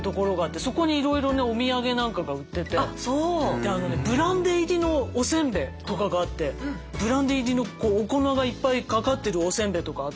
であのねブランデー入りのお煎餅とかがあってブランデー入りのお粉がいっぱいかかってるお煎餅とかあって。